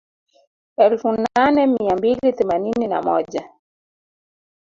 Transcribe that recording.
Elfu nane mia mbili themanini na moja